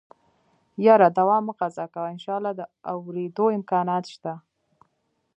يره دوا مه قضا کوه انشاالله د اورېدو امکانات شته.